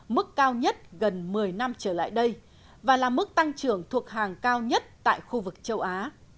mức cao nhất gần một mươi năm trở lại đây và là mức tăng trưởng thuộc hàng cao nhất tại khu vực châu á